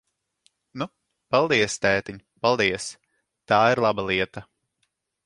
Nu, paldies, tētiņ, paldies! Tā ir laba lieta!